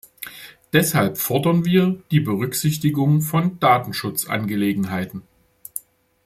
Deshalb fordern wir die Berücksichtigung von Datenschutzangelegenheiten.